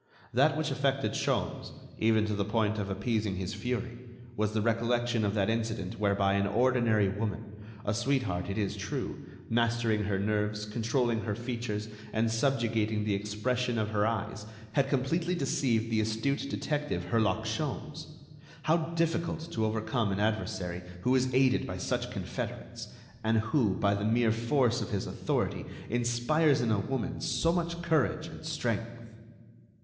That which affected Sholmes, even to the point of appeasing his fury, was the recollection of that incident whereby an ordinary woman, a sweetheart it is true, mastering her nerves, controlling her features, and subjugating the expression of her eyes, had completely deceived the astute detective Herlock Sholmes. How difficult to overcome an adversary who is aided by such confederates, and who, by the mere force of his authority, inspires in a woman so much courage and strength!